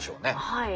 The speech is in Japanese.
はい。